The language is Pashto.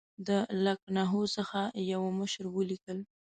د لکنهو څخه یوه مشر ولیکل.